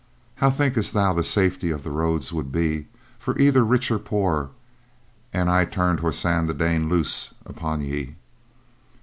How thinkest thou the safety of the roads would be for either rich or poor an I turned Horsan the Dane loose upon ye?